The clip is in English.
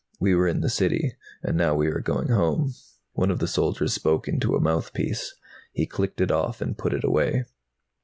"We were in the City, and now we are going home." One of the soldiers spoke into a mouthpiece. He clicked it off and put it away.